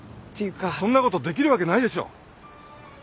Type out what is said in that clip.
そんなことできるわけないでしょ。